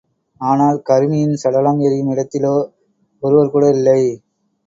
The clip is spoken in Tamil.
ஆனால், கருமியின் சடலம் எரியும் இடத்திலோ ஒருவர் கூட இல்லை.